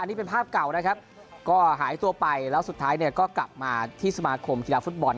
นี่เป็นภาพเก่านะครับก็หายตัวไปแล้วสุดท้ายเนี่ยก็กลับมาที่สมาคมกีฬาฟุตบอล